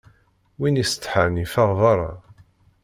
Win yessetḥan yeffeɣ berra.